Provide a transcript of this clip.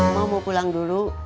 mau mau pulang dulu